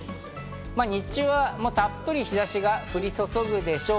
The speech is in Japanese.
日中はたっぷり日差しが降り注ぐでしょう。